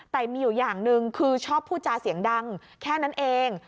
แต่มีอยู่อย่างหนึ่งคือชอบพูดจาเสียงดังแค่นั้นเอง